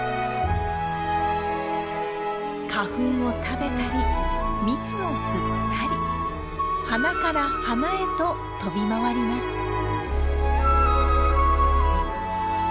花粉を食べたり蜜を吸ったり花から花へと飛び回ります。